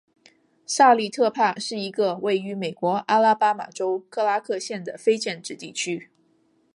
萨利特帕是一个位于美国阿拉巴马州克拉克县的非建制地区。